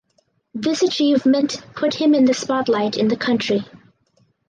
This achievement put him in the spotlight in the country.